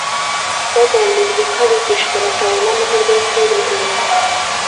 Bagambiriye ko abigishwa batabona amahirwe yo kwiregura